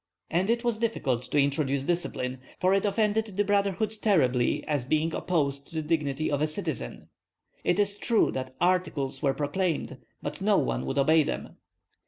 And it was difficult to introduce discipline, for it offended the brotherhood terribly, as being opposed to the dignity of a citizen. It is true that "articles" were proclaimed, but no one would obey them.